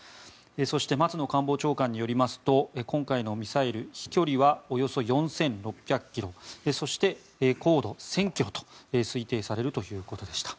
そして松野官房長官によりますと今回のミサイル飛距離はおよそ４６００ｋｍそして、高度１０００ｋｍと推定されるということでした。